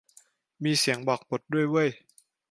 มีเสียงบอกบทด้วยเว่ย